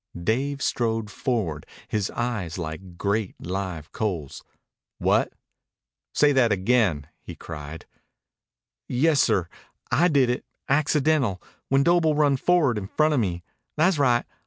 Dave strode forward, his eyes like great live coals. "What? Say that again!" he cried. "Yessir. I did it accidental when Doble run forward in front of me. Tha's right.